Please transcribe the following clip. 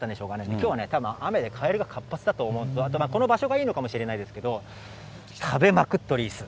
きょうはね、たぶん、カエルが活発だと思うんですよ、この場所がいいのかもしれないですけど、食べまくっております。